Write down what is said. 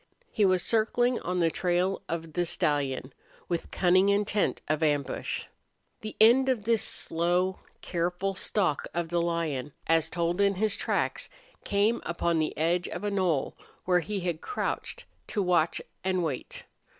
He was circling on the trail of the stallion, with cunning intent of ambush. The end of this slow, careful stalk of the lion, as told in his tracks, came upon the edge of a knoll where he had crouched to watch and wait.